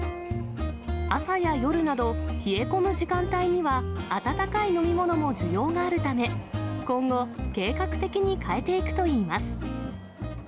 朝や夜など、冷え込む時間帯には温かい飲み物も需要があるため、今後、計画的に変えていくといいます。